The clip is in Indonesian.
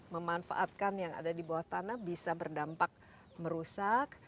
memanfaatkan yang ada di bawah tanah bisa berdampak merusak